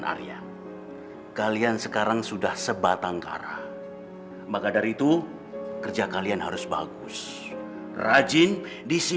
saya mau ingin mengurusvali beras melepas anggun acara halaman yangmma ibu cenderangan mine